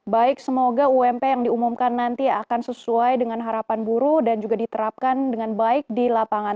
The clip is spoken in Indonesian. baik semoga ump yang diumumkan nanti akan sesuai dengan harapan buruh dan juga diterapkan dengan baik di lapangan